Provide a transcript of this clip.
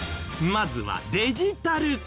まずはデジタル化。